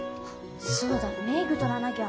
そうだメーク取らなぎゃ。